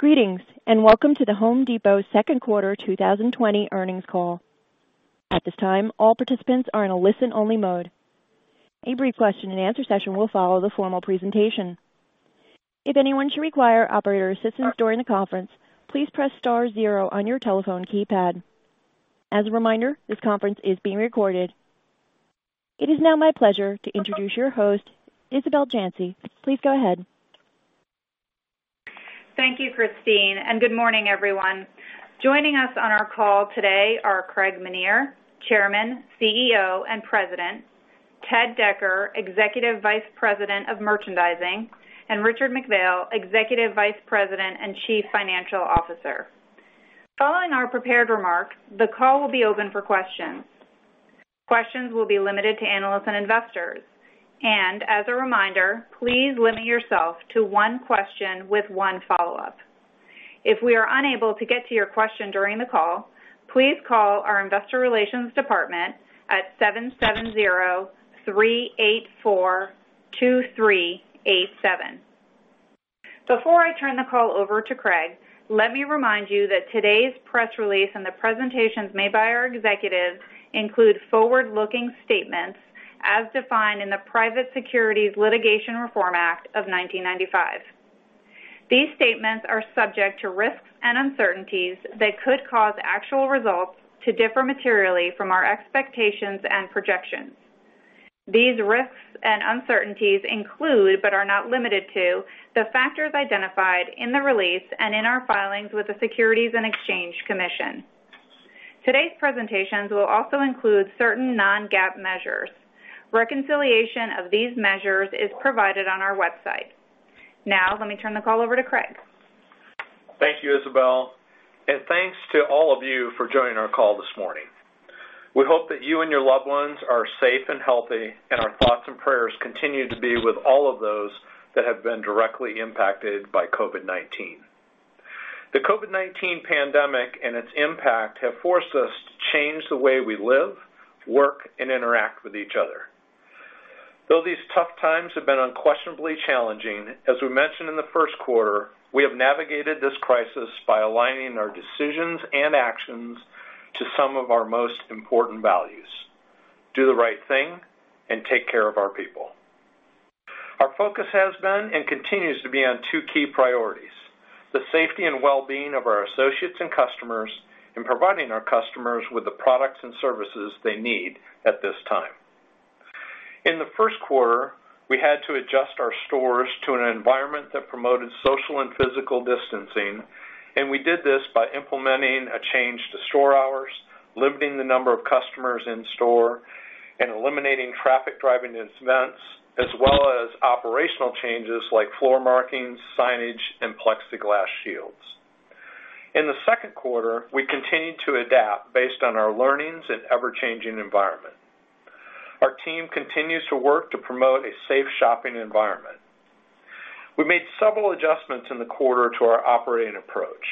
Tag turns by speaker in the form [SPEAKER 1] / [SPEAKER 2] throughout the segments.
[SPEAKER 1] Greetings, and welcome to The Home Depot Second Quarter 2020 Earnings Call. At this time, all participants are in a listen-only mode. A brief question and answer session will follow the formal presentation. If anyone should require operator assistance during the conference, please press star zero on your telephone keypad. As a reminder, this conference is being recorded. It is now my pleasure to introduce your host, Isabel Janci. Please go ahead.
[SPEAKER 2] Thank you, Christine. Good morning, everyone. Joining us on our call today are Craig Menear, Chairman, CEO, and President, Ted Decker, Executive Vice President of Merchandising, and Richard McPhail, Executive Vice President and Chief Financial Officer. Following our prepared remarks, the call will be open for questions. Questions will be limited to analysts and investors. As a reminder, please limit yourself to one question with one follow-up. If we are unable to get to your question during the call, please call our investor relations department at 770-384-2387. Before I turn the call over to Craig, let me remind you that today's press release and the presentations made by our executives include forward-looking statements as defined in the Private Securities Litigation Reform Act of 1995. These statements are subject to risks and uncertainties that could cause actual results to differ materially from our expectations and projections. These risks and uncertainties include, but are not limited to, the factors identified in the release and in our filings with the Securities and Exchange Commission. Today's presentations will also include certain non-GAAP measures. Reconciliation of these measures is provided on our website. Let me turn the call over to Craig.
[SPEAKER 3] Thank you, Isabel. And thanks to all of you for joining our call this morning. We hope that you and your loved ones are safe and healthy, and our thoughts and prayers continue to be with all of those that have been directly impacted by COVID-19. The COVID-19 pandemic and its impact have forced us to change the way we live, work, and interact with each other. Though these tough times have been unquestionably challenging, as we mentioned in the first quarter, we have navigated this crisis by aligning our decisions and actions to some of our most important values, do the right thing and take care of our people. Our focus has been, and continues to be, on two key priorities, the safety and well-being of our associates and customers, and providing our customers with the products and services they need at this time. In the first quarter, we had to adjust our stores to an environment that promoted social and physical distancing, and we did this by implementing a change to store hours, limiting the number of customers in-store, and eliminating traffic-driving incidents, as well as operational changes like floor markings, signage, and plexiglass shields. In the second quarter, we continued to adapt based on our learnings and ever-changing environment. Our team continues to work to promote a safe shopping environment. We made several adjustments in the quarter to our operating approach.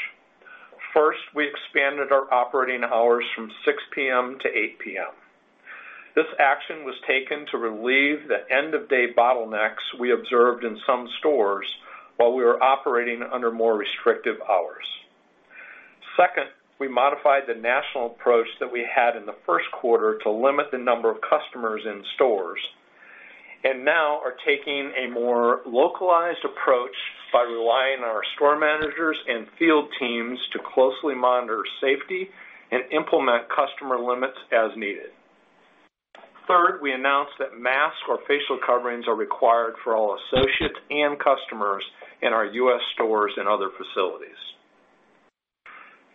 [SPEAKER 3] First, we expanded our operating hours from 6:00 P.M. to 8:00 P.M. This action was taken to relieve the end-of-day bottlenecks we observed in some stores while we were operating under more restrictive hours. Second, we modified the national approach that we had in the first quarter to limit the number of customers in stores, and now are taking a more localized approach by relying on our store managers and field teams to closely monitor safety and implement customer limits as needed. Third, we announced that masks or facial coverings are required for all associates and customers in our US stores and other facilities.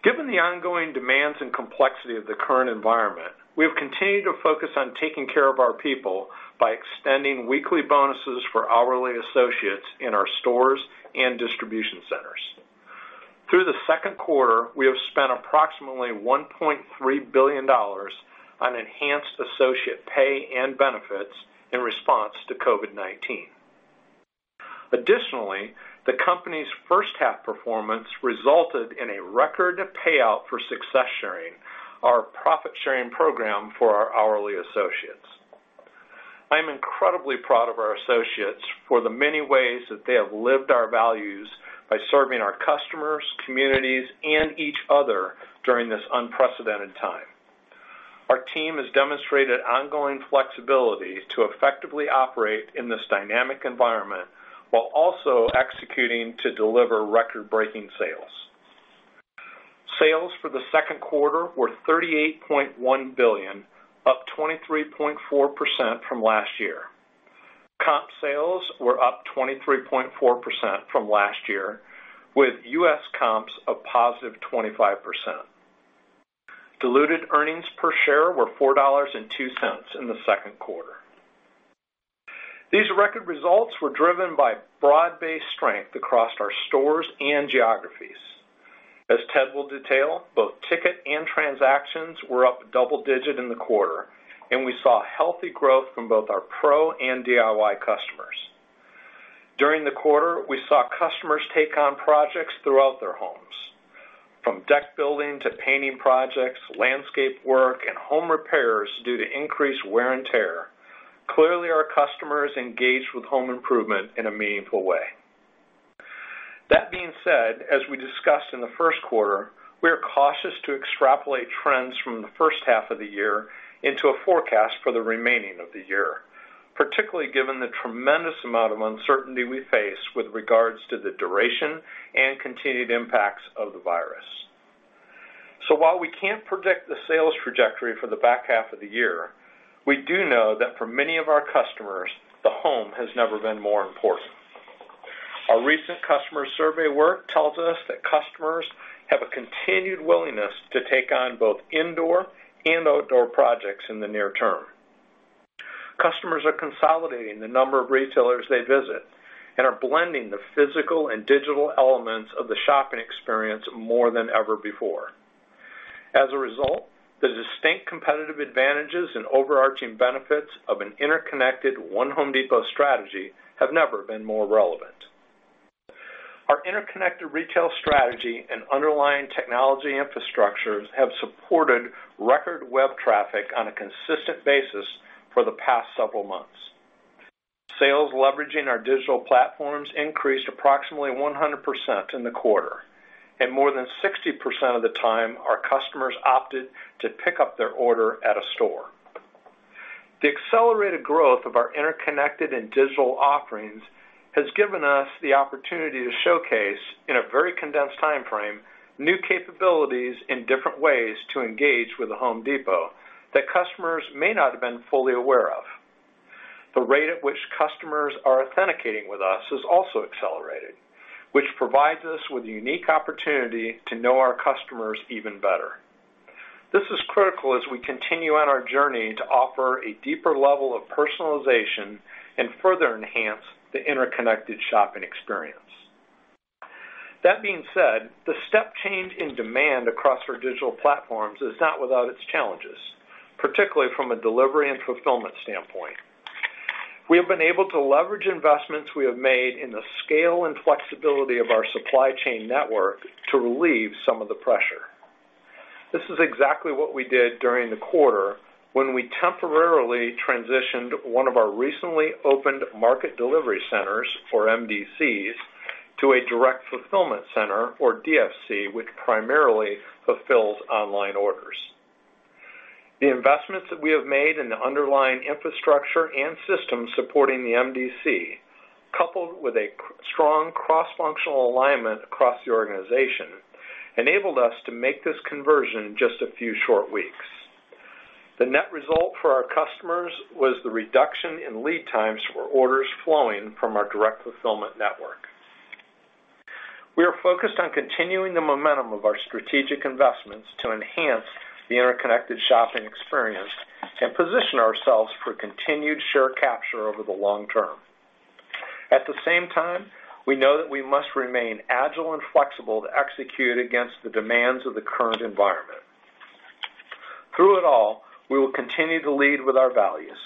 [SPEAKER 3] Given the ongoing demands and complexity of the current environment, we have continued to focus on taking care of our people by extending weekly bonuses for hourly associates in our stores and distribution centers. Through the second quarter, we have spent approximately $1.3 billion on enhanced associate pay and benefits in response to COVID-19. Additionally, the company's first half performance resulted in a record payout for Success Sharing, our profit-sharing program for our hourly associates. I am incredibly proud of our associates for the many ways that they have lived our values by serving our customers, communities, and each other during this unprecedented time. Our team has demonstrated ongoing flexibility to effectively operate in this dynamic environment while also executing to deliver record-breaking sales. Sales for the second quarter were $38.1 billion, up 23.4% from last year. Comp sales were up 23.4% from last year, with US comps of +25%. Diluted earnings per share were $4.02 in the second quarter. These record results were driven by broad-based strength across our stores and geographies. As Ted will detail, both ticket and transactions were up double-digit in the quarter, and we saw healthy growth from both our pro and DIY customers. During the quarter, we saw customers take on projects throughout their homes. From deck building to painting projects, landscape work, and home repairs due to increased wear and tear. Clearly, our customers engaged with home improvement in a meaningful way. That being said, as we discussed in the first quarter, we are cautious to extrapolate trends from the first half of the year into a forecast for the remaining of the year, particularly given the tremendous amount of uncertainty we face with regards to the duration and continued impacts of the virus. While we can't predict the sales trajectory for the back half of the year, we do know that for many of our customers, the home has never been more important. Our recent customer survey work tells us that customers have a continued willingness to take on both indoor and outdoor projects in the near term. Customers are consolidating the number of retailers they visit and are blending the physical and digital elements of the shopping experience more than ever before. As a result, the distinct competitive advantages and overarching benefits of an interconnected One Home Depot strategy have never been more relevant. Our interconnected retail strategy and underlying technology infrastructures have supported record web traffic on a consistent basis for the past several months. Sales leveraging our digital platforms increased approximately 100% in the quarter, and more than 60% of the time, our customers opted to pick up their order at a store. The accelerated growth of our interconnected and digital offerings has given us the opportunity to showcase, in a very condensed timeframe, new capabilities and different ways to engage with The Home Depot that customers may not have been fully aware of. The rate at which customers are authenticating with us has also accelerated, which provides us with a unique opportunity to know our customers even better. This is critical as we continue on our journey to offer a deeper level of personalization and further enhance the interconnected shopping experience. That being said, the step change in demand across our digital platforms is not without its challenges, particularly from a delivery and fulfillment standpoint. We have been able to leverage investments we have made in the scale and flexibility of our supply chain network to relieve some of the pressure. This is exactly what we did during the quarter when we temporarily transitioned one of our recently opened market delivery centers, or MDCs, to a direct fulfillment center, or DFC, which primarily fulfills online orders. The investments that we have made in the underlying infrastructure and systems supporting the MDC, coupled with a strong cross-functional alignment across the organization, enabled us to make this conversion in just a few short weeks. The net result for our customers was the reduction in lead times for orders flowing from our direct fulfillment network. We are focused on continuing the momentum of our strategic investments to enhance the interconnected shopping experience and position ourselves for continued share capture over the long term. At the same time, we know that we must remain agile and flexible to execute against the demands of the current environment. Through it all, we will continue to lead with our values,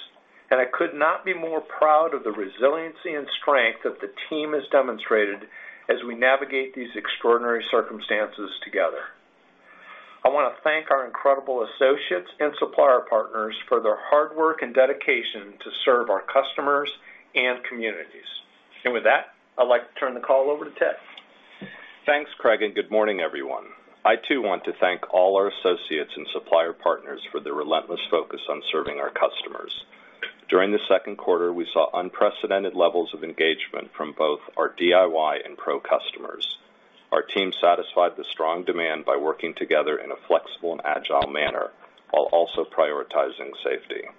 [SPEAKER 3] and I could not be more proud of the resiliency and strength that the team has demonstrated as we navigate these extraordinary circumstances together. I want to thank our incredible associates and supplier partners for their hard work and dedication to serve our customers and communities. With that, I'd like to turn the call over to Ted.
[SPEAKER 4] Thanks, Craig. Good morning, everyone. I, too, want to thank all our associates and supplier partners for their relentless focus on serving our customers. During the second quarter, we saw unprecedented levels of engagement from both our DIY and pro customers. Our team satisfied the strong demand by working together in a flexible and agile manner while also prioritizing safety.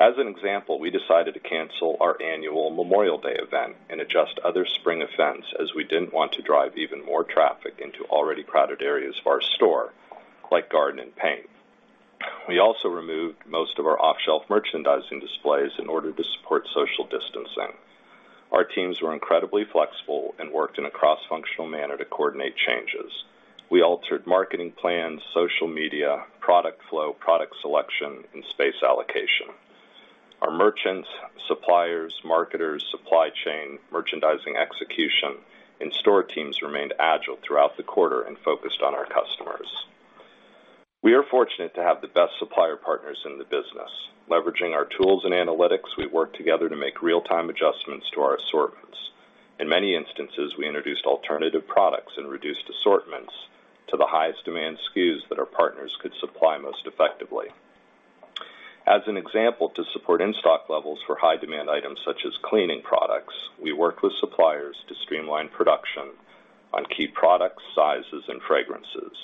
[SPEAKER 4] As an example, we decided to cancel our Annual Memorial Day event and adjust other spring events as we didn't want to drive even more traffic into already crowded areas of our store, like garden and paint. We also removed most of our off-shelf merchandising displays in order to support social distancing. Our teams were incredibly flexible and worked in a cross-functional manner to coordinate changes. We altered marketing plans, social media, product flow, product selection, and space allocation. Our merchants, suppliers, marketers, supply chain, merchandising execution, and store teams remained agile throughout the quarter and focused on our customers. We are fortunate to have the best supplier partners in the business. Leveraging our tools and analytics, we worked together to make real-time adjustments to our assortments. In many instances, we introduced alternative products and reduced assortments to the highest demand SKUs that our partners could supply most effectively. As an example, to support in-stock levels for high-demand items such as cleaning products, we worked with suppliers to streamline production on key products, sizes, and fragrances.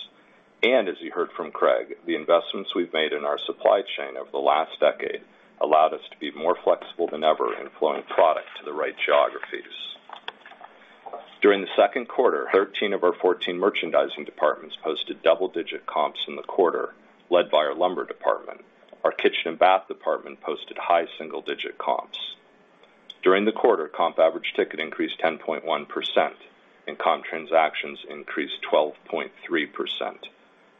[SPEAKER 4] As you heard from Craig, the investments we've made in our supply chain over the last decade allowed us to be more flexible than ever in flowing product to the right geographies. During the second quarter, 13 of our 14 merchandising departments posted double-digit comps in the quarter, led by our lumber department. Our kitchen and bath department posted high single-digit comps. During the quarter, comp average ticket increased 10.1%, and comp transactions increased 12.3%.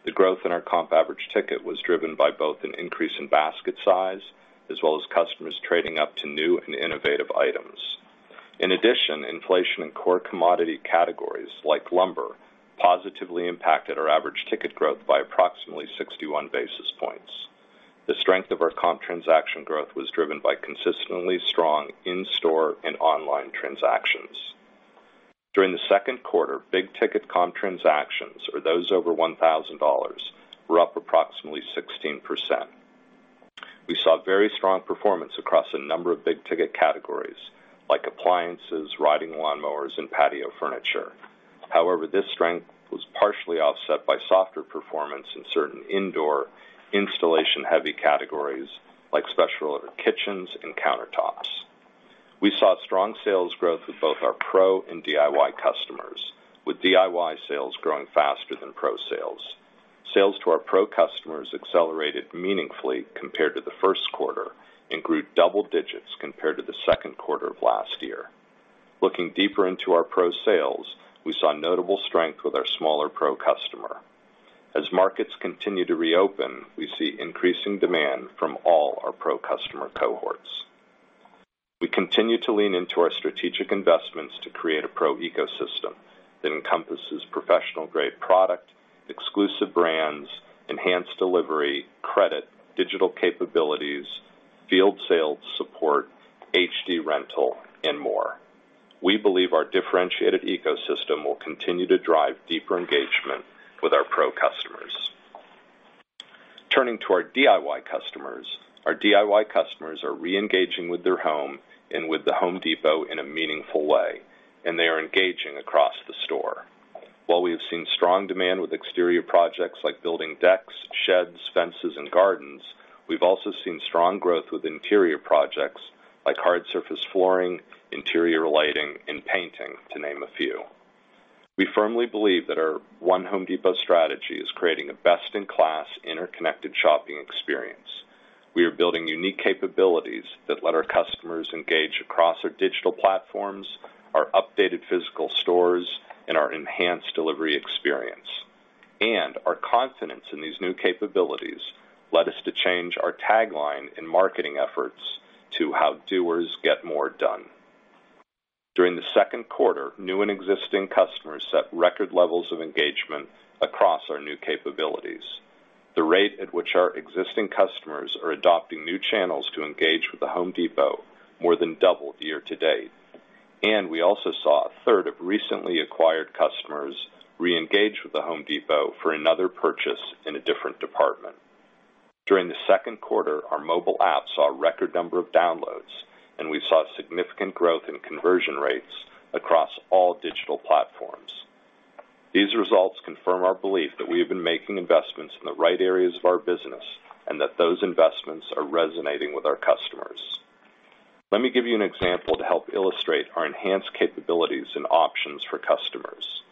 [SPEAKER 4] The growth in our comp average ticket was driven by both an increase in basket size as well as customers trading up to new and innovative items. In addition, inflation in core commodity categories like lumber positively impacted our average ticket growth by approximately 61 basis points. The strength of our comp transaction growth was driven by consistently strong in-store and online transactions. During the second quarter, big ticket comp transactions, or those over $1,000, were up approximately 16%. We saw very strong performance across a number of big ticket categories like appliances, riding lawnmowers, and patio furniture. However, this strength was partially offset by softer performance in certain indoor installation-heavy categories like special order kitchens and countertops. We saw strong sales growth with both our pro and DIY customers, with DIY sales growing faster than pro sales. Sales to our pro customers accelerated meaningfully compared to the first quarter and grew double digits compared to the second quarter of last year. Looking deeper into our pro sales, we saw notable strength with our smaller pro customer. As markets continue to reopen, we see increasing demand from all our pro customer cohorts. We continue to lean into our strategic investments to create a pro ecosystem that encompasses professional-grade product, exclusive brands, enhanced delivery, credit, digital capabilities, field sales support, HD Rental, and more. We believe our differentiated ecosystem will continue to drive deeper engagement with our pro customers. Turning to our DIY customers, our DIY customers are re-engaging with their home and with The Home Depot in a meaningful way. They are engaging across the store. While we have seen strong demand with exterior projects like building decks, sheds, fences, and gardens. We've also seen strong growth with interior projects like hard surface flooring, interior lighting, and painting, to name a few. We firmly believe that our One Home Depot strategy is creating a best-in-class, interconnected shopping experience. We are building unique capabilities that let our customers engage across our digital platforms, our updated physical stores, and our enhanced delivery experience. Our confidence in these new capabilities led us to change our tagline and marketing efforts to How Doers Get More Done. During the second quarter, new and existing customers set record levels of engagement across our new capabilities. The rate at which our existing customers are adopting new channels to engage with The Home Depot more than doubled year to date. We also saw a third of recently acquired customers re-engage with The Home Depot for another purchase in a different department. During the second quarter, our mobile app saw a record number of downloads, and we saw significant growth in conversion rates across all digital platforms. These results confirm our belief that we have been making investments in the right areas of our business and that those investments are resonating with our customers. Let me give you an example to help illustrate our enhanced capabilities and options for customers.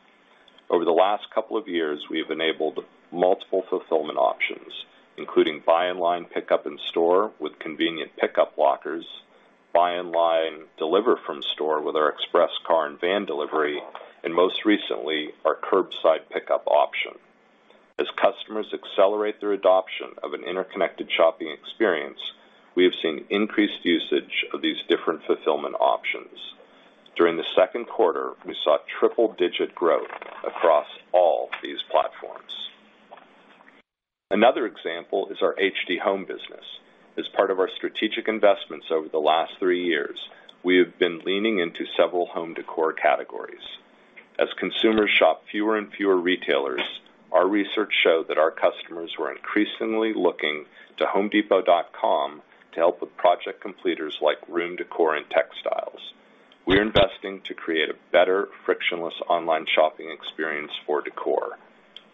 [SPEAKER 4] Over the last couple of years, we have enabled multiple fulfillment options, including buy online, pickup in store with convenient pickup lockers, buy online, deliver from store with our express car and van delivery, and most recently, our curbside pickup option. As customers accelerate their adoption of an interconnected shopping experience, we have seen increased usage of these different fulfillment options. During the second quarter, we saw triple-digit growth across all these platforms. Another example is our HD Home business. As part of our strategic investments over the last three years, we have been leaning into several home decor categories. As consumers shop fewer and fewer retailers, our research showed that our customers were increasingly looking to homedepot.com to help with project completers like room decor and textiles. We are investing to create a better frictionless online shopping experience for decor.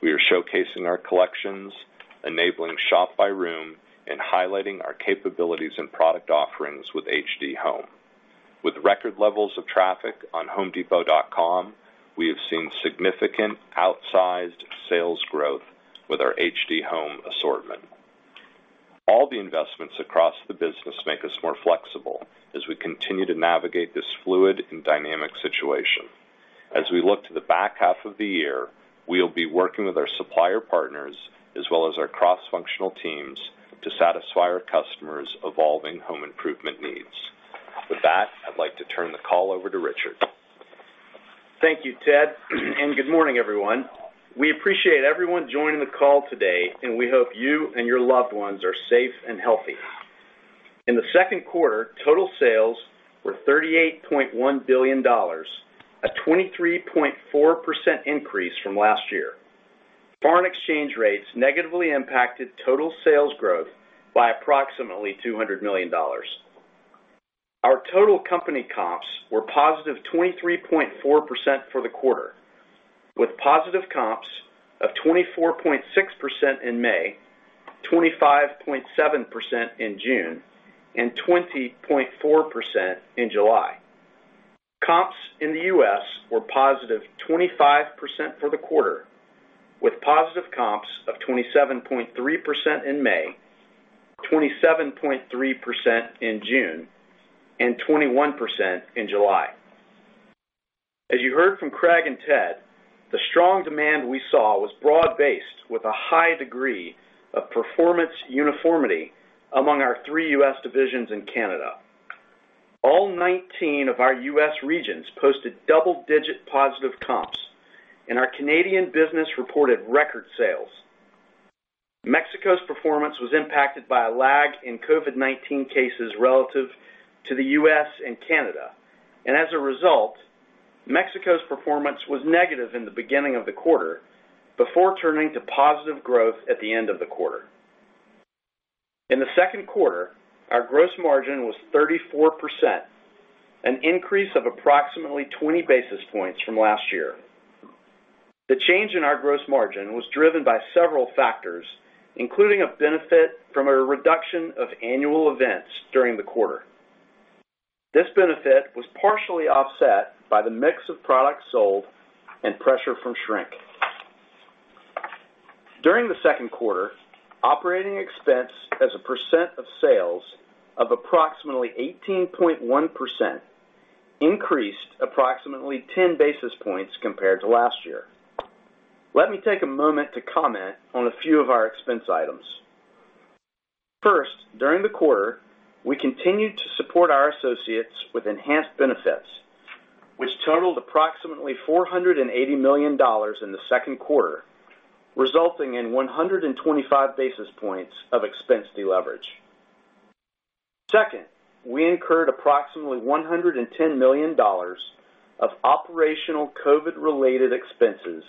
[SPEAKER 4] We are showcasing our collections, enabling shop by room, and highlighting our capabilities and product offerings with HD Home. With record levels of traffic on homedepot.com, we have seen significant outsized sales growth with our HD Home assortment. All the investments across the business make us more flexible as we continue to navigate this fluid and dynamic situation. As we look to the back half of the year, we'll be working with our supplier partners, as well as our cross-functional teams, to satisfy our customers' evolving home improvement needs. With that, I'd like to turn the call over to Richard.
[SPEAKER 5] Thank you, Ted. Good morning, everyone. We appreciate everyone joining the call today, and we hope you and your loved ones are safe and healthy. In the second quarter, total sales were $38.1 billion, a 23.4% increase from last year. Foreign exchange rates negatively impacted total sales growth by approximately $200 million. Our total company comps were positive 23.4% for the quarter, with positive comps of 24.6% in May, 25.7% in June, and 20.4% in July. Comps in the US were positive 25% for the quarter, with positive comps of 27.3% in May, 27.3% in June, and 21% in July. As you heard from Craig and Ted, the strong demand we saw was broad-based with a high degree of performance uniformity among our three US divisions in Canada. All 19 of our US regions posted double-digit positive comps and our Canadian business reported record sales. Mexico's performance was impacted by a lag in COVID-19 cases relative to the US and Canada, and as a result, Mexico's performance was negative in the beginning of the quarter before turning to positive growth at the end of the quarter. In the second quarter, our gross margin was 34%, an increase of approximately 20 basis points from last year. The change in our gross margin was driven by several factors, including a benefit from a reduction of annual events during the quarter. This benefit was partially offset by the mix of products sold and pressure from shrink. During the second quarter, operating expense as a percent of sales of approximately 18.1% increased approximately 10 basis points compared to last year. Let me take a moment to comment on a few of our expense items. First, during the quarter, we continued to support our associates with enhanced benefits, which totaled approximately $480 million in the second quarter, resulting in 125 basis points of expense deleverage. Second, we incurred approximately $110 million of operational COVID-related expenses,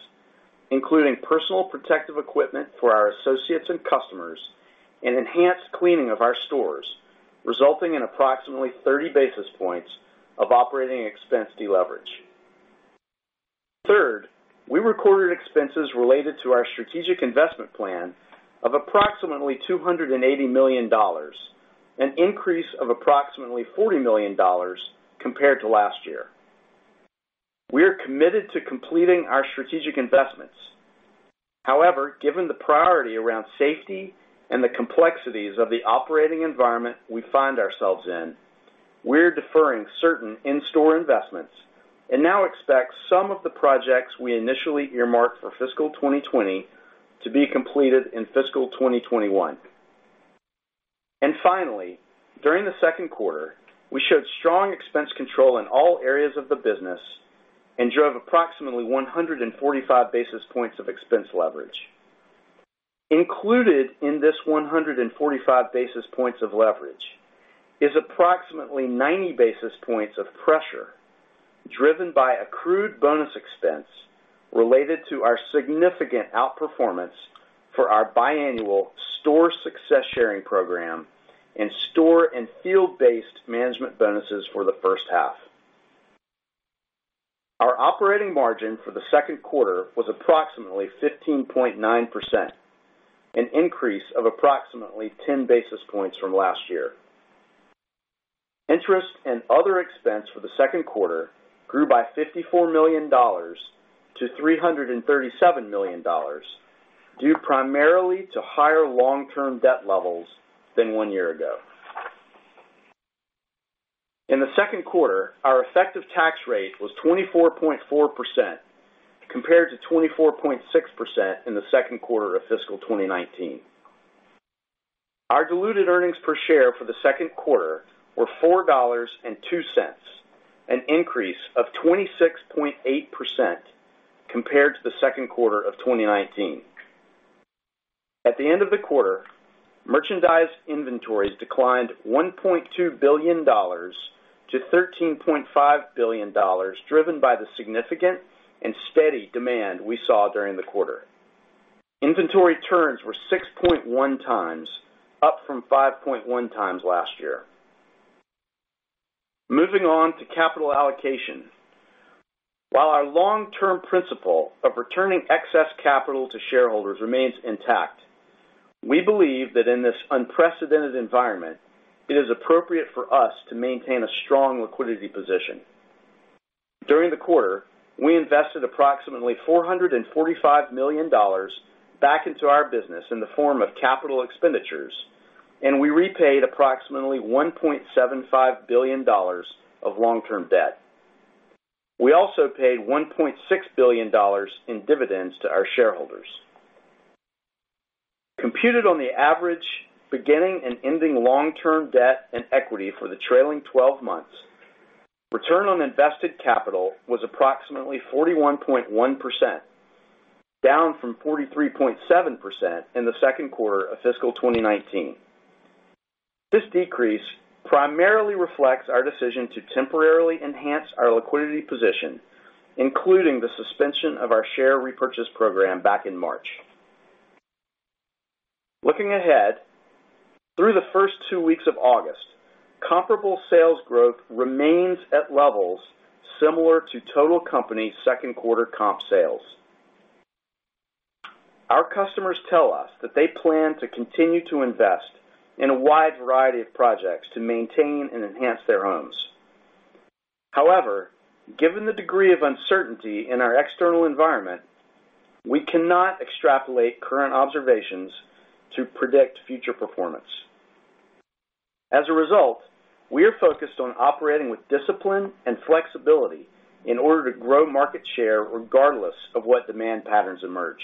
[SPEAKER 5] including personal protective equipment for our associates and customers and enhanced cleaning of our stores, resulting in approximately 30 basis points of operating expense deleverage. Third, we recorded expenses related to our strategic investment plan of approximately $280 million, an increase of approximately $40 million compared to last year. We are committed to completing our strategic investments. However, given the priority around safety and the complexities of the operating environment we find ourselves in, we're deferring certain in-store investments and now expect some of the projects we initially earmarked for fiscal 2020 to be completed in fiscal 2021. Finally, during the second quarter, we showed strong expense control in all areas of the business and drove approximately 145 basis points of expense leverage. Included in this 145 basis points of leverage is approximately 90 basis points of pressure driven by accrued bonus expense related to our significant outperformance for our biannual store Success Sharing program and store and field-based management bonuses for the first half. Our operating margin for the second quarter was approximately 15.9%, an increase of approximately 10 basis points from last year. Interest and other expense for the second quarter grew by $54 million to $337 million, due primarily to higher long-term debt levels than one year ago. In the second quarter, our effective tax rate was 24.4%, compared to 24.6% in the second quarter of fiscal 2019. Our diluted earnings per share for the second quarter were $4.02, an increase of 26.8% compared to the second quarter of 2019. At the end of the quarter, merchandise inventories declined $1.2 billion to $13.5 billion, driven by the significant and steady demand we saw during the quarter. Inventory turns were 6.1 times, up from 5.1 times last year. Moving on to capital allocation. While our long-term principle of returning excess capital to shareholders remains intact, we believe that in this unprecedented environment, it is appropriate for us to maintain a strong liquidity position. During the quarter, we invested approximately $445 million back into our business in the form of capital expenditures, and we repaid approximately $1.75 billion of long-term debt. We also paid $1.6 billion in dividends to our shareholders. Computed on the average beginning and ending long-term debt and equity for the trailing 12 months, return on invested capital was approximately 41.1%, down from 43.7% in the second quarter of fiscal 2019. This decrease primarily reflects our decision to temporarily enhance our liquidity position, including the suspension of our share repurchase program back in March. Looking ahead, through the first two weeks of August, comparable sales growth remains at levels similar to total company second quarter comp sales. Our customers tell us that they plan to continue to invest in a wide variety of projects to maintain and enhance their homes. However, given the degree of uncertainty in our external environment, we cannot extrapolate current observations to predict future performance.
[SPEAKER 3] As a result, we are focused on operating with discipline and flexibility in order to grow market share regardless of what demand patterns emerge.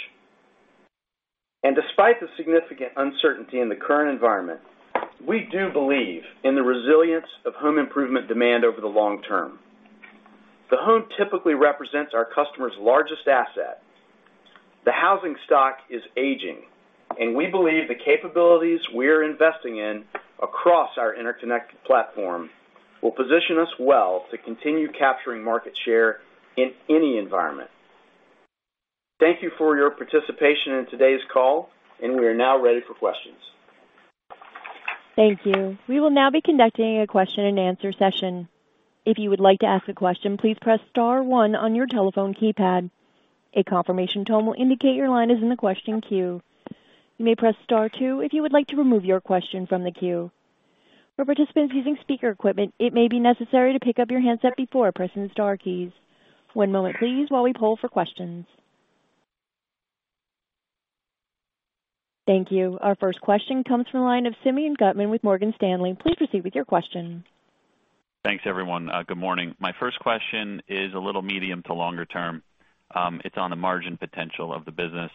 [SPEAKER 3] Despite the significant uncertainty in the current environment, we do believe in the resilience of home improvement demand over the long term. The home typically represents our customers' largest asset. The housing stock is aging. We believe the capabilities we're investing in across our interconnected platform will position us well to continue capturing market share in any environment. Thank you for your participation in today's call. We are now ready for questions.
[SPEAKER 1] Thank you. Our first question comes from the line of Simeon Gutman with Morgan Stanley. Please proceed with your question.
[SPEAKER 6] Thanks, everyone. Good morning. My first question is a little medium to longer term. It's on the margin potential of the business.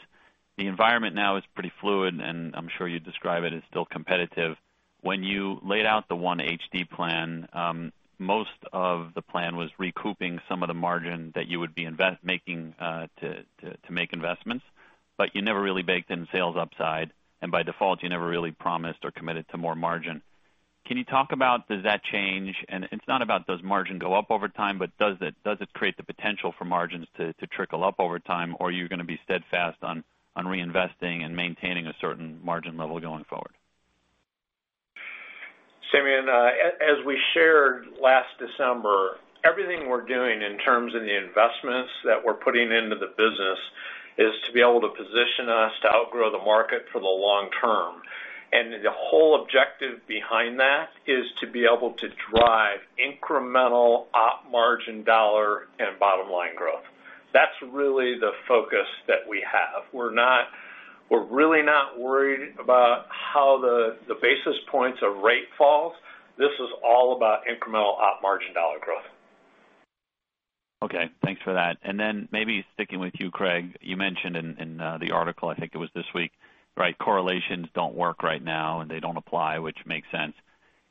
[SPEAKER 6] The environment now is pretty fluid, and I'm sure you'd describe it as still competitive. When you laid out the One HD plan, most of the plan was recouping some of the margin that you would be making to make investments, but you never really baked in sales upside, and by default, you never really promised or committed to more margin. Can you talk about does that change? It's not about does margin go up over time, but does it create the potential for margins to trickle up over time, or are you going to be steadfast on reinvesting and maintaining a certain margin level going forward?
[SPEAKER 3] Simeon, as we shared last December, everything we're doing in terms of the investments that we're putting into the business is to be able to position us to outgrow the market for the long term. The whole objective behind that is to be able to drive incremental op margin dollar and bottom-line growth. That's really the focus that we have. We're really not worried about how the basis points of rate falls. This is all about incremental op margin dollar growth.
[SPEAKER 6] Okay, thanks for that. Maybe sticking with you, Craig, you mentioned in the article, I think it was this week, correlations don't work right now, and they don't apply, which makes sense.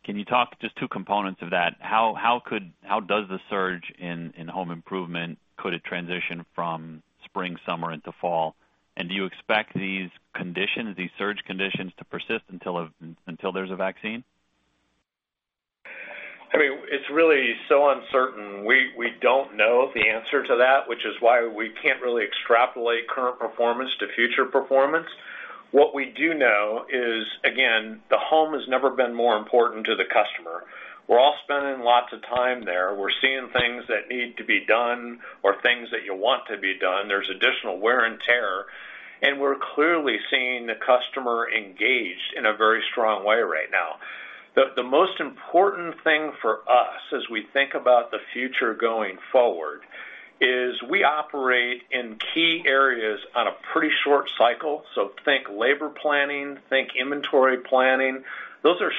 [SPEAKER 6] Can you talk just two components of that? How does the surge in home improvement, could it transition from spring, summer into fall? Do you expect these surge conditions to persist until there's a vaccine?
[SPEAKER 3] I mean, it's really so uncertain. We don't know the answer to that, which is why we can't really extrapolate current performance to future performance. What we do know is, again, the home has never been more important to the customer. We're all spending lots of time there. We're seeing things that need to be done or things that you want to be done. There's additional wear and tear, and we're clearly seeing the customer engaged in a very strong way right now. The most important thing for us as we think about the future going forward is we operate in key areas on a pretty short cycle. Think labor planning, think inventory planning. Those are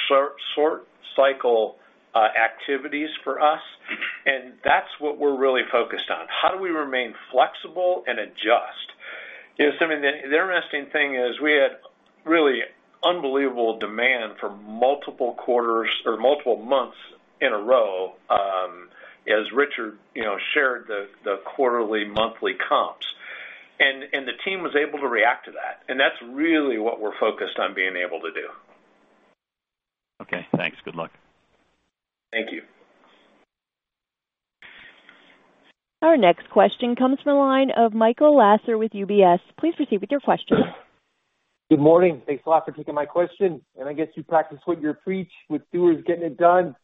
[SPEAKER 3] short cycle activities for us, and that's what we're really focused on. How do we remain flexible and adjust? Simeon, the interesting thing is we had really unbelievable demand for multiple quarters or multiple months in a row as Richard shared the quarterly monthly comps. The team was able to react to that, and that's really what we're focused on being able to do.
[SPEAKER 6] Okay, thanks. Good luck.
[SPEAKER 3] Thank you.
[SPEAKER 1] Our next question comes from the line of Michael Lasser with UBS. Please proceed with your question.
[SPEAKER 7] Good morning. Thanks a lot for taking my question. I guess you practice what you preach with How Doers Get More Done.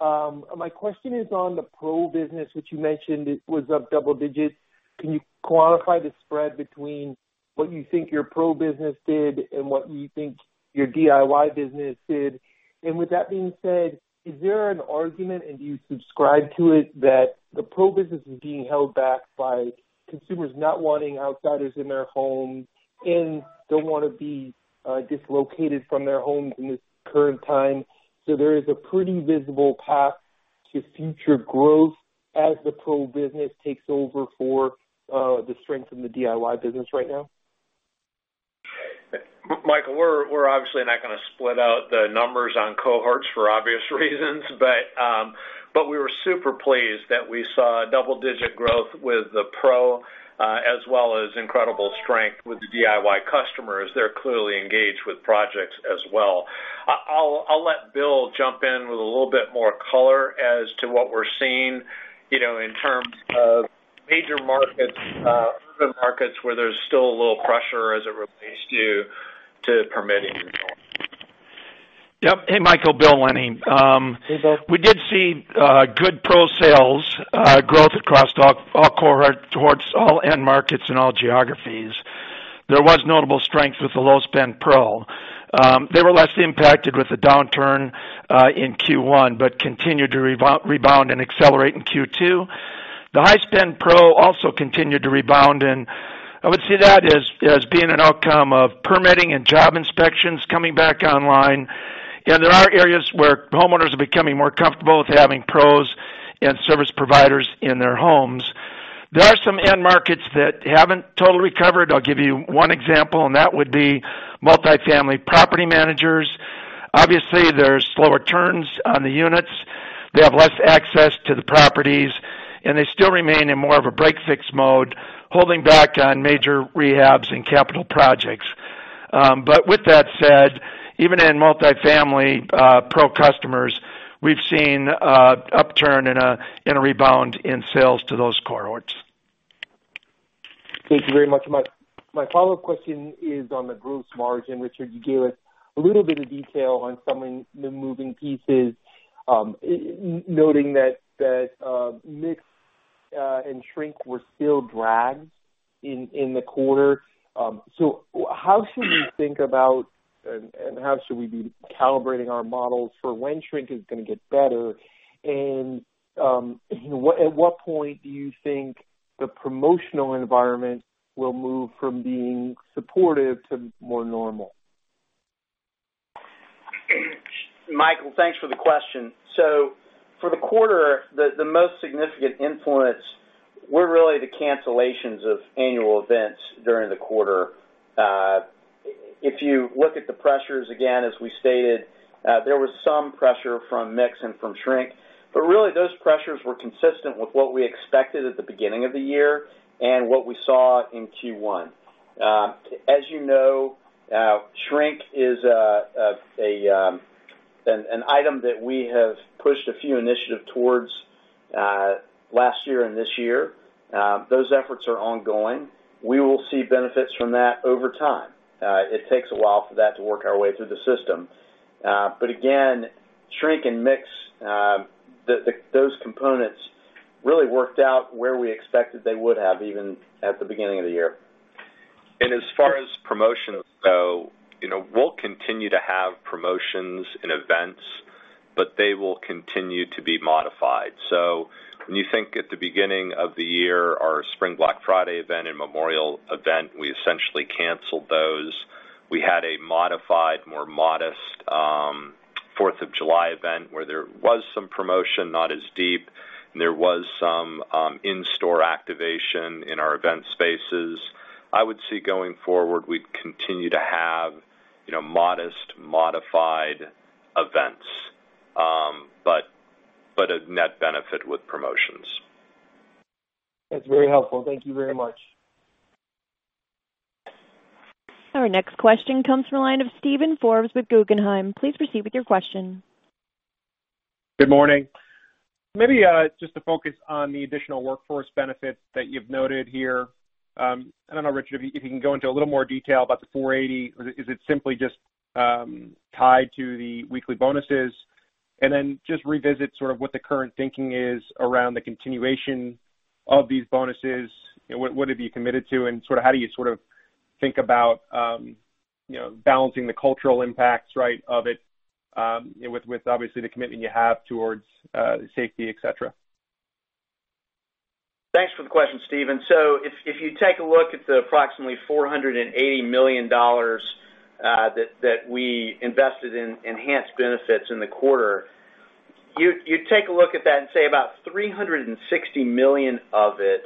[SPEAKER 7] My question is on the pro business, which you mentioned it was up double digits. Can you quantify the spread between what you think your pro business did and what you think your DIY business did? With that being said, is there an argument, and do you subscribe to it, that the pro business is being held back by consumers not wanting outsiders in their homes and don't want to be dislocated from their homes in this current time, so there is a pretty visible path to future growth as the pro business takes over for the strength in the DIY business right now?
[SPEAKER 3] Michael, we're obviously not going to split out the numbers on cohorts for obvious reasons, but we were super pleased that we saw double-digit growth with the pro, as well as incredible strength with the DIY customers. They're clearly engaged with projects as well. I'll let Bill jump in with a little bit more color as to what we're seeing in terms of major markets, urban markets where there's still a little pressure as it relates to permitting.
[SPEAKER 8] Yep. Hey, Michael. Bill Lennie.
[SPEAKER 7] Hey, Bill.
[SPEAKER 8] We did see good pro sales growth across all cohorts, all end markets, and all geographies. There was notable strength with the low-spend pro. They were less impacted with the downturn in Q1, but continued to rebound and accelerate in Q2. The high-spend pro also continued to rebound, and I would see that as being an outcome of permitting and job inspections coming back online. There are areas where homeowners are becoming more comfortable with having pros and service providers in their homes. There are some end markets that haven't totally recovered. I'll give you one example, and that would be multi-family property managers. Obviously, there's slower turns on the units. They have less access to the properties, and they still remain in more of a break-fix mode, holding back on major rehabs and capital projects. With that said, even in multi-family pro customers, we've seen an upturn and a rebound in sales to those cohorts.
[SPEAKER 7] Thank you very much. My follow-up question is on the gross margin. Richard, you gave us a little bit of detail on some of the moving pieces, noting that mix and shrink were still drags in the quarter. How should we think about, and how should we be calibrating our models for when shrink is going to get better? At what point do you think the promotional environment will move from being supportive to more normal?
[SPEAKER 5] Michael, thanks for the question. For the quarter, the most significant influence were really the cancellations of annual events during the quarter. If you look at the pressures, again, as we stated, there was some pressure from mix and from shrink, really those pressures were consistent with what we expected at the beginning of the year and what we saw in Q1. As you know, shrink is an item that we have pushed a few initiatives towards last year and this year. Those efforts are ongoing. We will see benefits from that over time. It takes a while for that to work our way through the system. Again, shrink and mix, those components really worked out where we expected they would have, even at the beginning of the year.
[SPEAKER 4] As far as promotions go, we'll continue to have promotions and events, but they will continue to be modified. When you think at the beginning of the year, our Spring Black Friday event and Memorial event, we essentially canceled those. We had a modified, more modest 4th of July event where there was some promotion, not as deep. There was some in-store activation in our event spaces. I would see going forward, we'd continue to have modest, modified events, but a net benefit with promotions.
[SPEAKER 7] That's very helpful. Thank you very much.
[SPEAKER 1] Our next question comes from the line of Steven Forbes with Guggenheim. Please proceed with your question.
[SPEAKER 9] Good morning. Just to focus on the additional workforce benefits that you've noted here. I don't know, Richard, if you can go into a little more detail about the $480 million. Is it simply just tied to the weekly bonuses? Just revisit sort of what the current thinking is around the continuation of these bonuses and what have you committed to and how do you sort of think about balancing the cultural impacts, right, of it with obviously the commitment you have towards safety, et cetera?
[SPEAKER 5] Thanks for the question, Steven. If you take a look at the approximately $480 million that we invested in enhanced benefits in the quarter, you take a look at that and say about $360 million of it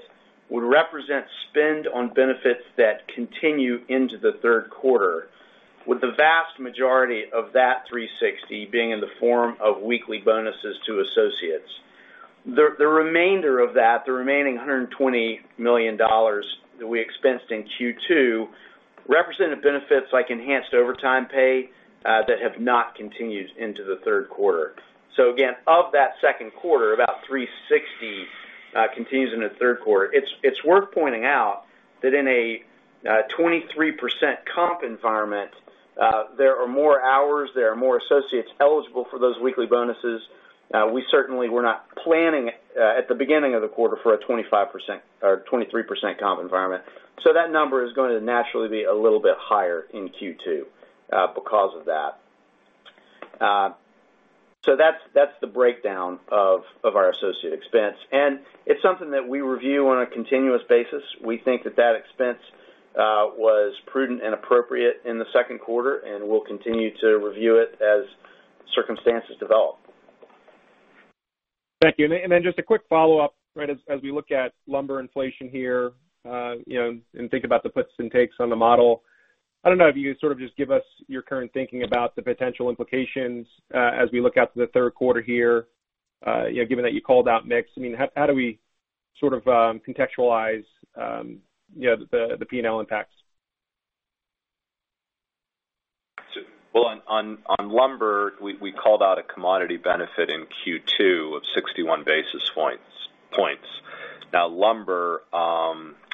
[SPEAKER 5] would represent spend on benefits that continue into the third quarter, with the vast majority of that $360 million being in the form of weekly bonuses to associates. The remainder of that, the remaining $120 million that we expensed in Q2, represented benefits like enhanced overtime pay that have not continued into the third quarter. Again, of that second quarter, about $360 million continues in the third quarter. It's worth pointing out that in a 23% comp environment, there are more hours, there are more associates eligible for those weekly bonuses. We certainly were not planning at the beginning of the quarter for a 23% comp environment. That number is going to naturally be a little bit higher in Q2 because of that. That's the breakdown of our associate expense, and it's something that we review on a continuous basis. We think that that expense was prudent and appropriate in the second quarter, and we'll continue to review it as circumstances develop.
[SPEAKER 9] Thank you. Just a quick follow-up, as we look at lumber inflation here, and think about the puts and takes on the model. I don't know if you just give us your current thinking about the potential implications as we look out to the third quarter here, given that you called out mix. How do we contextualize the P&L impacts?
[SPEAKER 4] Well, on lumber, we called out a commodity benefit in Q2 of 61 basis points. Lumber,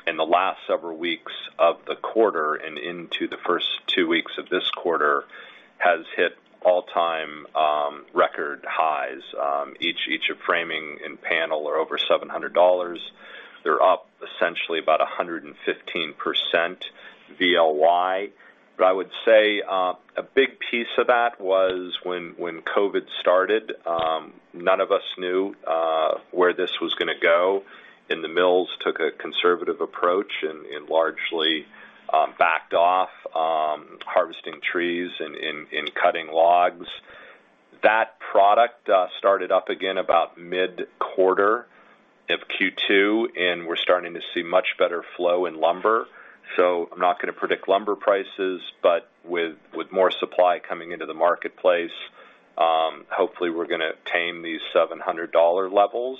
[SPEAKER 4] in the last several weeks of the quarter and into the first two weeks of this quarter, has hit all-time record highs. Each of framing and panel are over $700. They're up essentially about 115% YOY. I would say a big piece of that was when COVID started, none of us knew where this was going to go, and the mills took a conservative approach and largely backed off harvesting trees and cutting logs. That product started up again about mid-quarter of Q2, and we're starting to see much better flow in lumber. I'm not going to predict lumber prices, but with more supply coming into the marketplace, hopefully we're going to tame these $700 levels,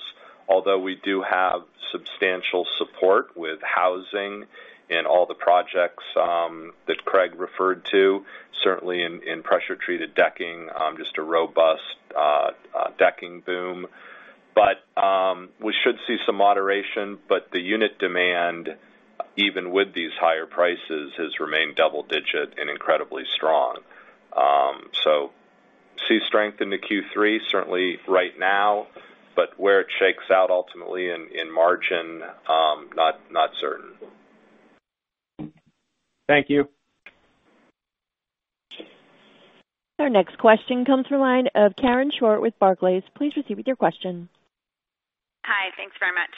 [SPEAKER 4] although we do have substantial support with housing and all the projects that Craig referred to, certainly in pressure-treated decking, just a robust decking boom. We should see some moderation. The unit demand, even with these higher prices, has remained double digit and incredibly strong. See strength into Q3, certainly right now, but where it shakes out ultimately in margin, not certain.
[SPEAKER 9] Thank you.
[SPEAKER 1] Our next question comes from the line of Karen Short with Barclays. Please proceed with your question.
[SPEAKER 10] Hi. Thanks very much.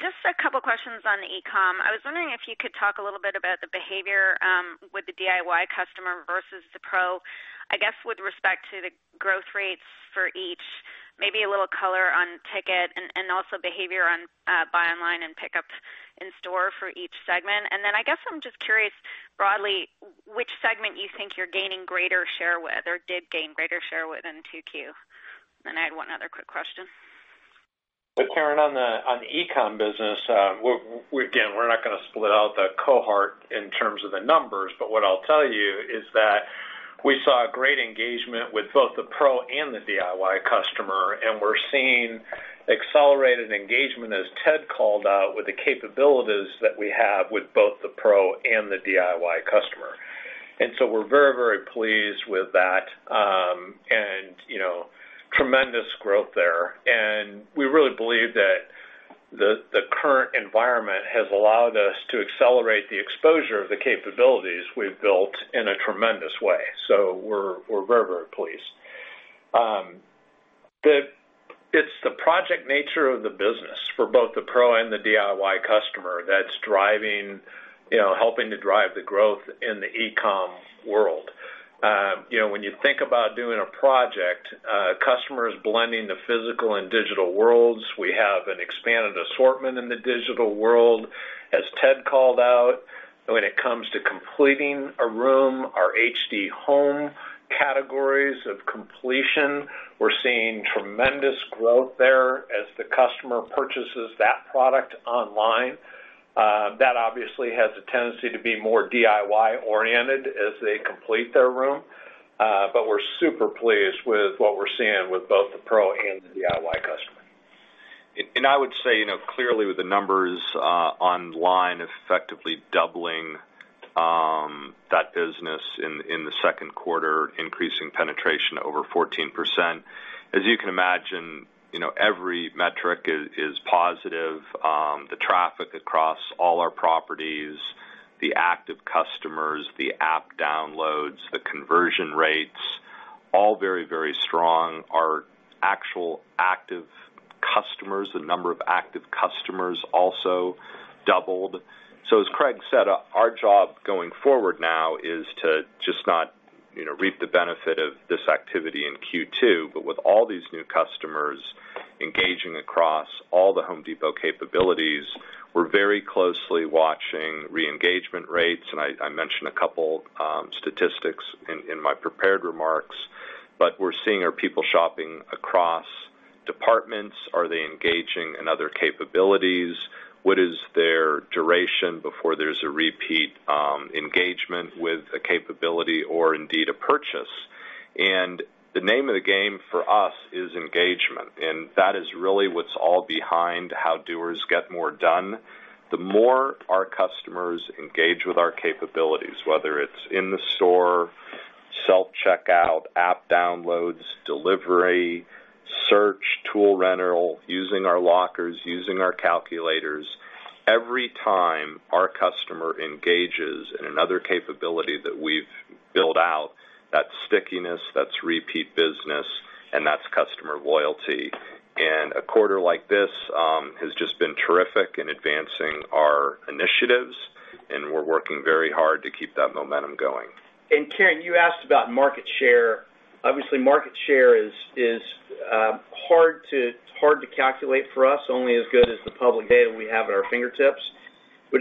[SPEAKER 10] Just a couple questions on the e-com. I was wondering if you could talk a little bit about the behavior with the DIY customer versus the pro, I guess, with respect to the growth rates for each, maybe a little color on ticket, and also behavior on Buy Online and Pick Up In Store for each segment. I guess I'm just curious, broadly, which segment you think you're gaining greater share with or did gain greater share with in 2Q. I had one other quick question.
[SPEAKER 3] Karen, on the e-com business, again, we're not going to split out the cohort in terms of the numbers, but what I'll tell you is that we saw great engagement with both the pro and the DIY customer, and we're seeing accelerated engagement, as Ted called out, with the capabilities that we have with both the pro and the DIY customer. We're very pleased with that, and tremendous growth there. We really believe that the current environment has allowed us to accelerate the exposure of the capabilities we've built in a tremendous way. We're very pleased. It's the project nature of the business for both the pro and the DIY customer that's helping to drive the growth in the e-com world. When you think about doing a project, a customer is blending the physical and digital worlds. We have an expanded assortment in the digital world, as Ted called out. When it comes to completing a room, our HD Home categories of completion, we're seeing tremendous growth there as the customer purchases that product online. That obviously has a tendency to be more DIY-oriented as they complete their room. We're super pleased with what we're seeing with both the pro and the DIY customer.
[SPEAKER 4] I would say, clearly with the numbers online effectively doubling that business in the second quarter, increasing penetration to over 14%. As you can imagine, every metric is positive. The traffic across all our properties, the active customers, the app downloads, the conversion rates, all very strong. Our actual active customers, the number of active customers also doubled. As Craig said, our job going forward now is to just not reap the benefit of this activity in Q2, but with all these new customers engaging across all The Home Depot capabilities, we're very closely watching re-engagement rates, and I mentioned a couple statistics in my prepared remarks. We're seeing, are people shopping across departments? Are they engaging in other capabilities? What is their duration before there's a repeat engagement with a capability or indeed a purchase? The name of the game for us is engagement, and that is really what's all behind How Doers Get More Done. The more our customers engage with our capabilities, whether it's in the store, self-checkout, app downloads, delivery, search, tool rental, using our lockers, using our calculators. Every time our customer engages in another capability that we've built out, that's stickiness, that's repeat business, and that's customer loyalty. A quarter like this has just been terrific in advancing our initiatives, and we're working very hard to keep that momentum going.
[SPEAKER 3] Karen, you asked about market share. Obviously, market share is hard to calculate for us. Only as good as the public data we have at our fingertips.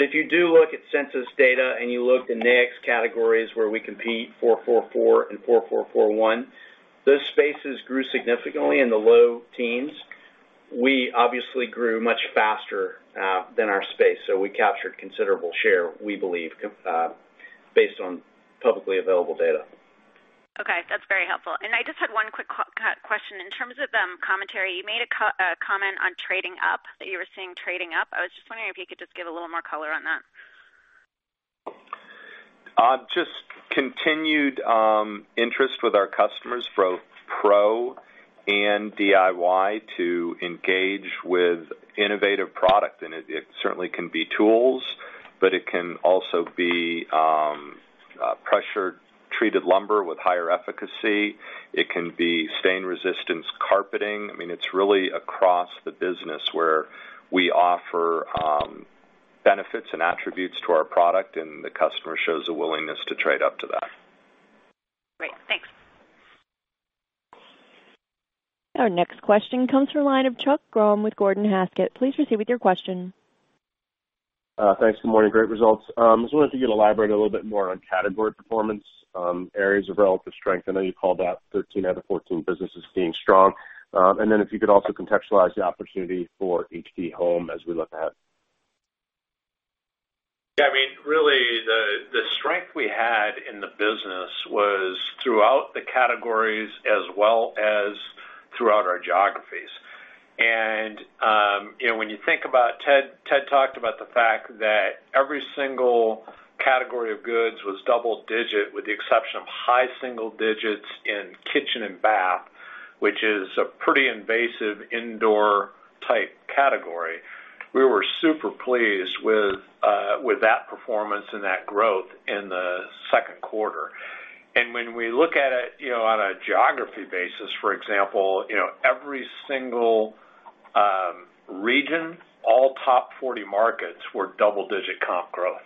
[SPEAKER 3] If you do look at census data and you look in NAICS categories where we compete, 444 and 4441, those spaces grew significantly in the low teens. We obviously grew much faster than our space, so we captured considerable share, we believe, based on publicly available data.
[SPEAKER 10] Okay. That's very helpful. I just had one quick question. In terms of the commentary, you made a comment on trading up, that you were seeing trading up. I was just wondering if you could just give a little more color on that.
[SPEAKER 4] Just continued interest with our customers, both pro and DIY, to engage with innovative product. It certainly can be tools, but it can also be pressure-treated lumber with higher efficacy. It can be stain-resistance carpeting. It's really across the business where we offer benefits and attributes to our product, and the customer shows a willingness to trade up to that.
[SPEAKER 10] Great. Thanks.
[SPEAKER 1] Our next question comes from the line of Chuck Grom with Gordon Haskett. Please proceed with your question.
[SPEAKER 11] Thanks. Good morning. Great results. I was wondering if you could elaborate a little bit more on category performance, areas of relative strength. I know you called out 13 out of 14 businesses being strong. Then if you could also contextualize the opportunity for HD Home as we look ahead.
[SPEAKER 3] Yeah. Really, the strength we had in the business was throughout the categories as well as throughout our geographies. When you think about, Ted talked about the fact that every single category of goods was double-digit with the exception of high single-digits in kitchen and bath, which is a pretty invasive indoor-type category. We were super pleased with that performance and that growth in the second quarter. When we look at it on a geography basis, for example, every single region, all top 40 markets were double-digit comp growth.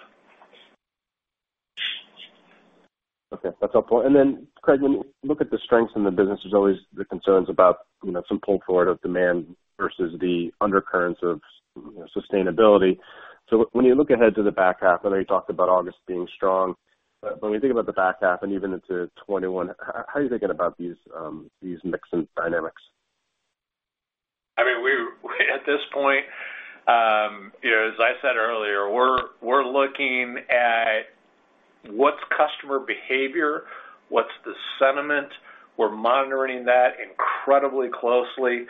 [SPEAKER 11] Okay. That's helpful. Craig, when you look at the strengths in the business, there's always the concerns about some pull forward of demand versus the undercurrents of sustainability. When you look ahead to the back half, I know you talked about August being strong, when we think about the back half and even into 2021, how are you thinking about these mix and dynamics?
[SPEAKER 3] At this point, as I said earlier, we're looking at what's customer behavior, what's the sentiment? We're monitoring that incredibly closely.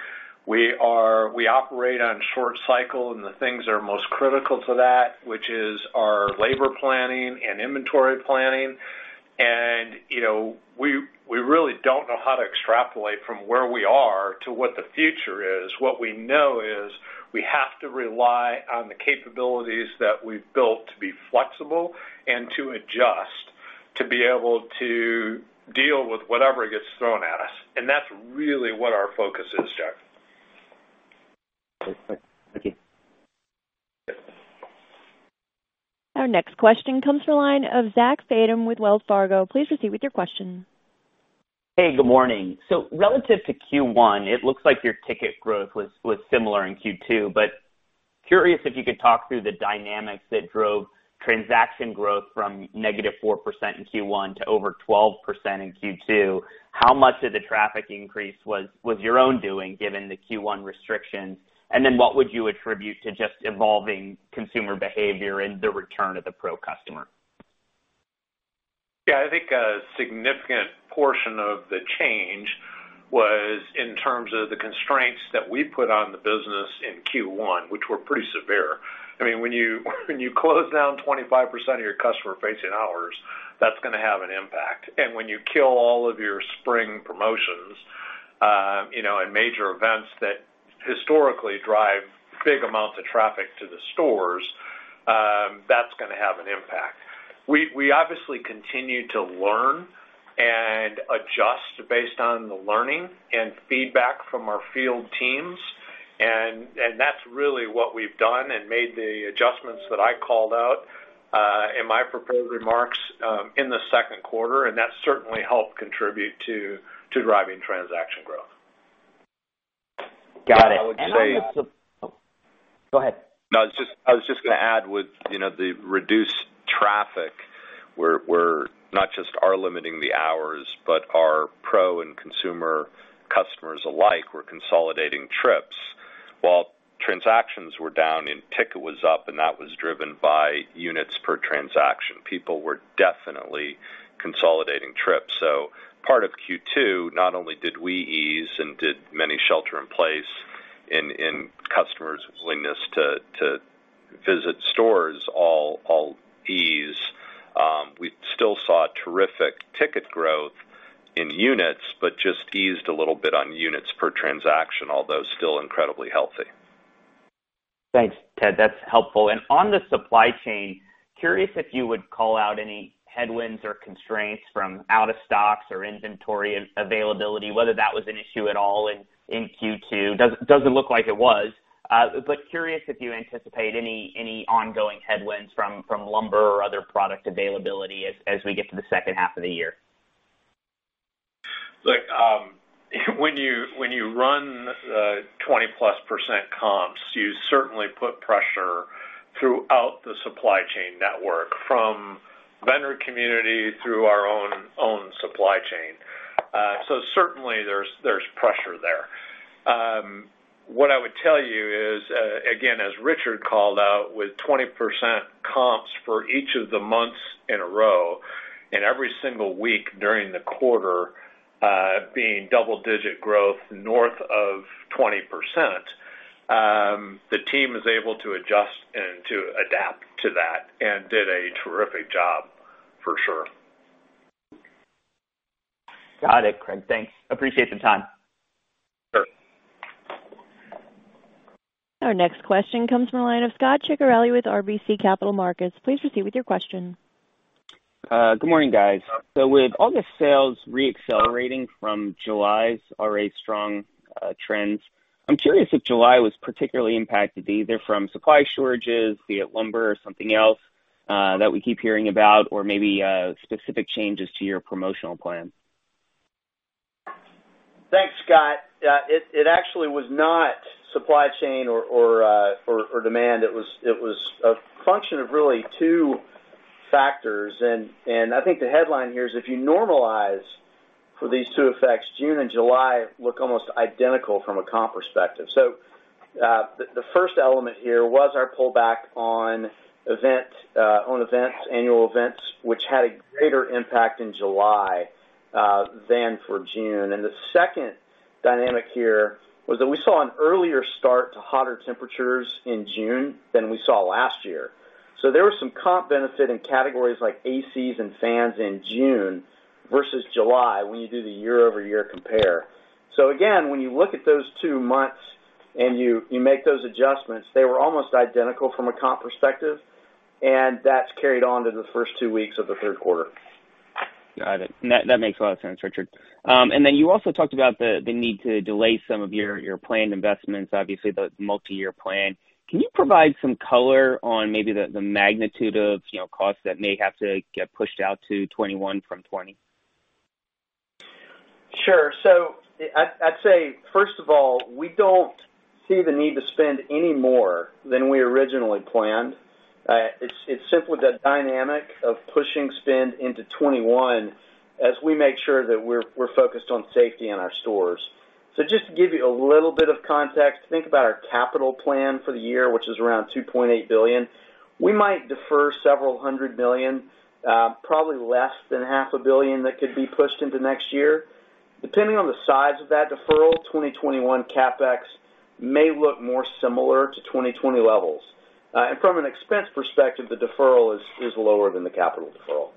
[SPEAKER 3] We operate on short cycle, the things that are most critical to that, which is our labor planning and inventory planning. We really don't know how to extrapolate from where we are to what the future is. What we know is we have to rely on the capabilities that we've built to be flexible and to adjust, to be able to deal with whatever gets thrown at us. That's really what our focus is, Chuck.
[SPEAKER 11] Okay. Thank you.
[SPEAKER 3] Yep.
[SPEAKER 1] Our next question comes from the line of Zach Fadem with Wells Fargo. Please proceed with your question.
[SPEAKER 12] Hey, good morning. Relative to Q1, it looks like your ticket growth was similar in Q2, but curious if you could talk through the dynamics that drove transaction growth from negative 4% in Q1 to over 12% in Q2. How much of the traffic increase was your own doing, given the Q1 restrictions? What would you attribute to just evolving consumer behavior and the return of the pro customer?
[SPEAKER 3] Yeah, I think a significant portion of the change was in terms of the constraints that we put on the business in Q1, which were pretty severe. When you close down 25% of your customer-facing hours, that's going to have an impact. When you kill all of your spring promotions, and major events that historically drive big amounts of traffic to the stores, that's going to have an impact. We obviously continue to learn and adjust based on the learning and feedback from our field teams, and that's really what we've done and made the adjustments that I called out in my prepared remarks in the second quarter, and that certainly helped contribute to driving transaction growth.
[SPEAKER 12] Got it.
[SPEAKER 4] I would say...
[SPEAKER 12] Go ahead.
[SPEAKER 4] No, I was just going to add with the reduced traffic, we're not just limiting the hours, but our pro and consumer customers alike were consolidating trips. While transactions were down and ticket was up, and that was driven by units per transaction. People were definitely consolidating trips. Part of Q2, not only did we ease and did many shelter in place and customers' willingness to visit stores all ease, we still saw terrific ticket growth in units but just eased a little bit on units per transaction, although still incredibly healthy.
[SPEAKER 12] Thanks, Ted. That's helpful. On the supply chain, curious if you would call out any headwinds or constraints from out of stocks or inventory availability, whether that was an issue at all in Q2. Doesn't look like it was. Curious if you anticipate any ongoing headwinds from lumber or other product availability as we get to the second half of the year.
[SPEAKER 3] Look, when you run 20%+ comps, you certainly put pressure throughout the supply chain network, from vendor community through our own supply chain. Certainly, there's pressure there. What I would tell you is, again, as Richard called out, with 20% comps for each of the months in a row and every single week during the quarter being double-digit growth north of 20%. The team was able to adjust and to adapt to that and did a terrific job, for sure.
[SPEAKER 12] Got it, Craig. Thanks. Appreciate the time.
[SPEAKER 3] Sure.
[SPEAKER 1] Our next question comes from the line of Scot Ciccarelli with RBC Capital Markets. Please proceed with your question.
[SPEAKER 13] Good morning, guys. With all the sales re-accelerating from July's already strong trends, I'm curious if July was particularly impacted either from supply shortages, be it lumber or something else that we keep hearing about, or maybe specific changes to your promotional plan.
[SPEAKER 5] Thanks, Scot. It actually was not supply chain or demand. It was a function of really two factors. I think the headline here is if you normalize for these two effects, June and July look almost identical from a comp perspective. The first element here was our pullback on annual events, which had a greater impact in July than for June. The second dynamic here was that we saw an earlier start to hotter temperatures in June than we saw last year. There was some comp benefit in categories like ACs and fans in June versus July when you do the year-over-year compare. Again, when you look at those two months and you make those adjustments, they were almost identical from a comp perspective, and that's carried on to the first two weeks of the third quarter.
[SPEAKER 13] Got it. That makes a lot of sense, Richard. Then you also talked about the need to delay some of your planned investments, obviously the multi-year plan. Can you provide some color on maybe the magnitude of costs that may have to get pushed out to 2021 from 2020?
[SPEAKER 5] Sure. I'd say, first of all, we don't see the need to spend any more than we originally planned. It's simply the dynamic of pushing spend into 2021 as we make sure that we're focused on safety in our stores. Just to give you a little bit of context, think about our capital plan for the year, which is around $2.8 billion. We might defer several hundred million dollar, probably less than $500 million that could be pushed into next year. Depending on the size of that deferral, 2021 CapEx may look more similar to 2020 levels. From an expense perspective, the deferral is lower than the capital deferral.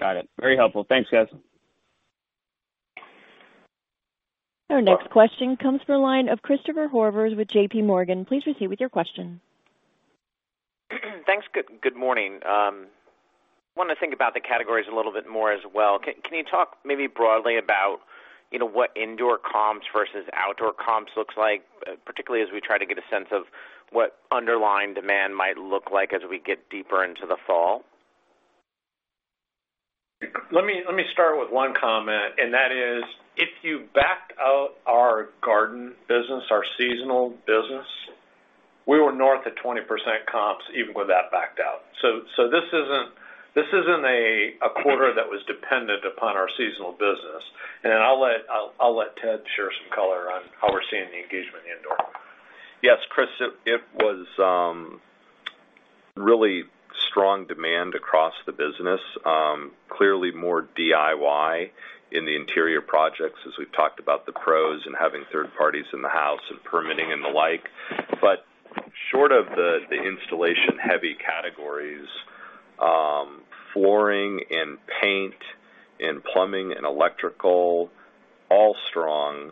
[SPEAKER 13] Got it. Very helpful. Thanks, guys.
[SPEAKER 1] Our next question comes from the line of Christopher Horvers with JPMorgan. Please proceed with your question.
[SPEAKER 14] Thanks. Good morning. Want to think about the categories a little bit more as well. Can you talk maybe broadly about what indoor comps versus outdoor comps looks like, particularly as we try to get a sense of what underlying demand might look like as we get deeper into the fall?
[SPEAKER 3] Let me start with one comment. If you backed out our garden business, our seasonal business, we were north of 20% comps even with that backed out. This isn't a quarter that was dependent upon our seasonal business. I'll let Ted share some color on how we're seeing the engagement in indoor.
[SPEAKER 4] Yes, Chris, it was really strong demand across the business. Clearly more DIY in the interior projects as we've talked about the pros and having third parties in the house and permitting and the like. Short of the installation-heavy categories, flooring and paint and plumbing and electrical, all strong.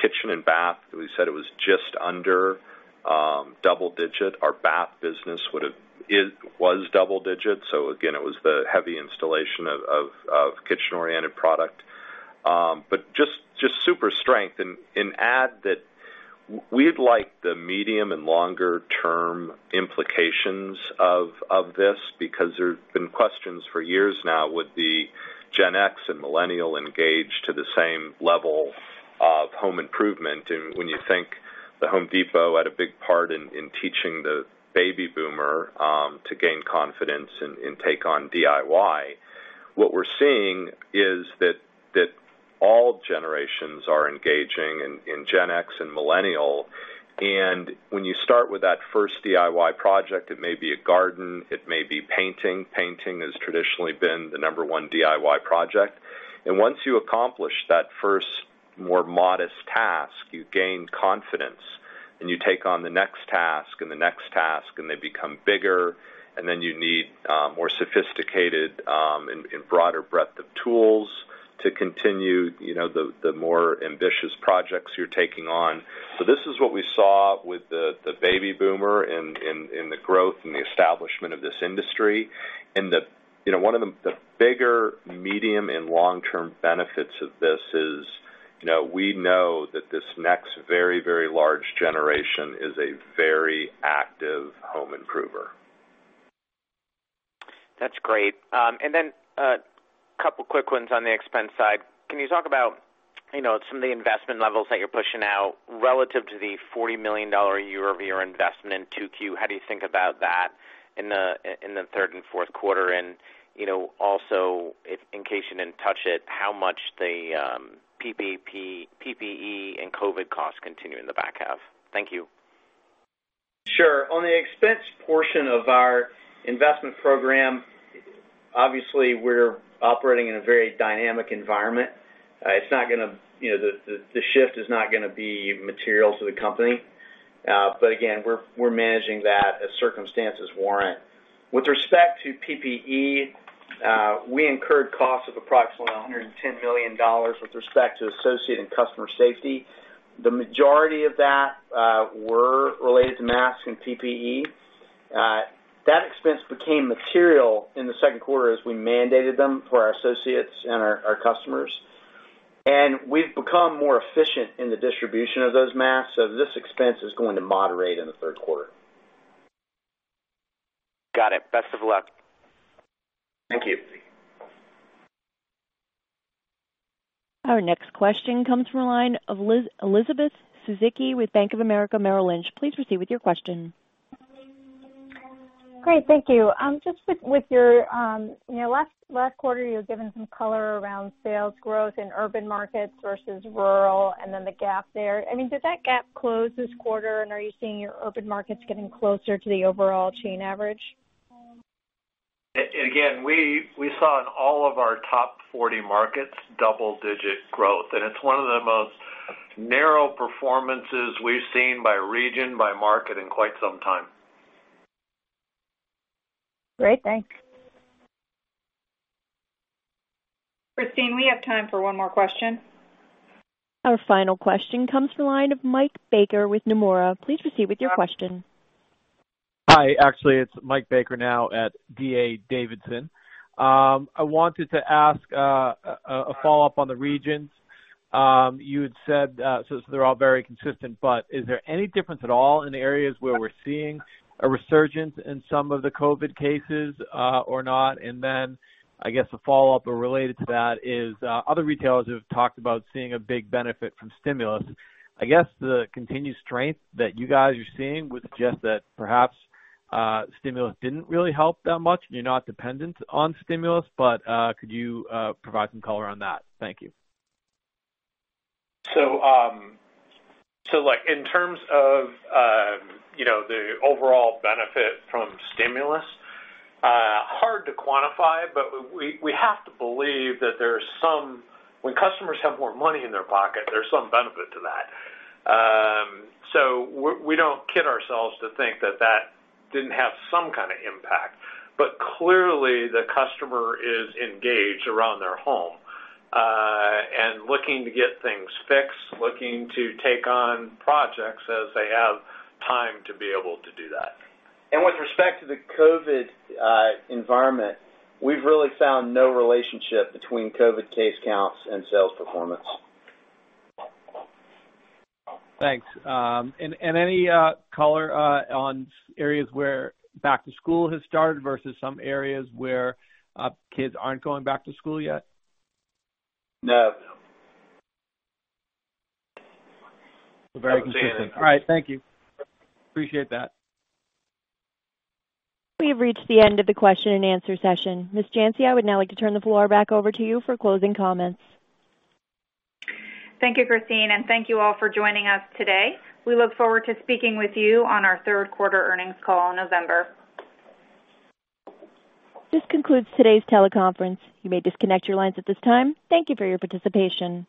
[SPEAKER 4] Kitchen and bath, we said it was just under double digit. Our bath business was double digit. Again, it was the heavy installation of kitchen-oriented product. Just super strength and add that we like the medium and longer-term implications of this because there's been questions for years now. Would the Gen X and millennial engage to the same level of home improvement? When you think The Home Depot had a big part in teaching the baby boomer to gain confidence and take on DIY. What we're seeing is that all generations are engaging in Gen X and millennial. When you start with that first DIY project, it may be a garden, it may be painting. Painting has traditionally been the number one DIY project. Once you accomplish that first, more modest task, you gain confidence and you take on the next task and the next task, and they become bigger. Then you need more sophisticated and broader breadth of tools to continue the more ambitious projects you're taking on. This is what we saw with the baby boomer in the growth and the establishment of this industry. One of the bigger medium and long-term benefits of this is we know that this next very large generation is a very active home improver.
[SPEAKER 14] That's great. A couple quick ones on the expense side. Can you talk about some of the investment levels that you're pushing out relative to the $40 million year-over-year investment in 2Q? How do you think about that in the third and fourth quarter? If in case you didn't touch it, how much the PPE and COVID costs continue in the back half? Thank you.
[SPEAKER 5] On the expense portion of our investment program, obviously, we're operating in a very dynamic environment. The shift is not going to be material to the company. Again, we're managing that as circumstances warrant. With respect to PPE, we incurred costs of approximately $110 million with respect to associate and customer safety. The majority of that were related to masks and PPE. That expense became material in the second quarter as we mandated them for our associates and our customers. We've become more efficient in the distribution of those masks. This expense is going to moderate in the third quarter.
[SPEAKER 14] Got it. Best of luck.
[SPEAKER 5] Thank you.
[SPEAKER 1] Our next question comes from the line of Elizabeth Suzuki with Bank of America Merrill Lynch. Please proceed with your question.
[SPEAKER 15] Great. Thank you. Last quarter, you had given some color around sales growth in urban markets versus rural, and then the gap there. Did that gap close this quarter, and are you seeing your urban markets getting closer to the overall chain average?
[SPEAKER 3] Again, we saw in all of our top 40 markets double-digit growth, and it's one of the most narrow performances we've seen by region, by market in quite some time.
[SPEAKER 15] Great. Thanks.
[SPEAKER 2] Christine, we have time for one more question.
[SPEAKER 1] Our final question comes from the line of Mike Baker with Nomura. Please proceed with your question.
[SPEAKER 16] Hi. Actually, it's Mike Baker now at D.A. Davidson. I wanted to ask a follow-up on the regions. You had said, so they're all very consistent, but is there any difference at all in the areas where we're seeing a resurgence in some of the COVID cases or not? I guess a follow-up or related to that is, other retailers have talked about seeing a big benefit from stimulus. I guess the continued strength that you guys are seeing would suggest that perhaps stimulus didn't really help that much, and you're not dependent on stimulus. Could you provide some color on that? Thank you.
[SPEAKER 3] In terms of the overall benefit from stimulus, hard to quantify, but we have to believe that when customers have more money in their pocket, there's some benefit to that. We don't kid ourselves to think that that didn't have some kind of impact. Clearly, the customer is engaged around their home, and looking to get things fixed, looking to take on projects as they have time to be able to do that. With respect to the COVID environment, we've really found no relationship between COVID case counts and sales performance.
[SPEAKER 16] Thanks. Any color on areas where back to school has started versus some areas where kids aren't going back to school yet?
[SPEAKER 3] No.
[SPEAKER 16] Very consistent. All right. Thank you. Appreciate that.
[SPEAKER 1] We have reached the end of the question and answer session. Ms. Janci, I would now like to turn the floor back over to you for closing comments.
[SPEAKER 2] Thank you, Christine, and thank you all for joining us today. We look forward to speaking with you on our Third Quarter Earnings Call in November.
[SPEAKER 1] This concludes today's teleconference. You may disconnect your lines at this time. Thank you for your participation.